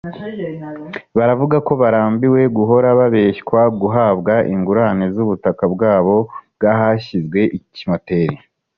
baravuga ko barambiwe guhora babeshywa guhabwa ingurane z’ubutaka bwabo bwahashyizwe ikimoteri